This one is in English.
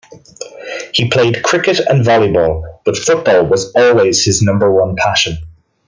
He played cricket and volleyball, but football was always his number one passion.